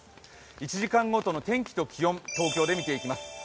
１時間ごとの天気と気温東京で見ていきます。